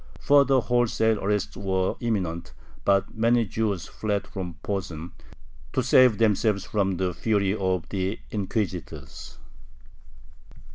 Further wholesale arrests were imminent, but many Jews fled from Posen, to save themselves from the fury of the inquisitors.